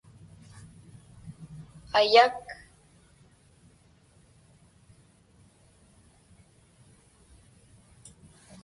ayak